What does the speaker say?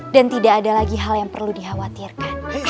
dan tidak ada lagi hal yang perlu dikhawatirkan